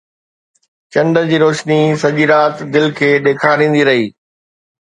چنڊ جي روشني سڄي رات دل کي ڏيکاريندي رهي